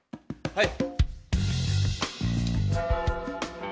はい。